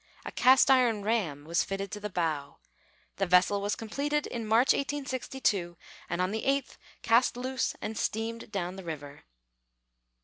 A cast iron ram was fitted to the bow. The vessel was completed in March, 1862, and on the 8th cast loose and steamed down the river.